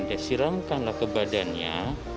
dia menyeramkanlah ke badannya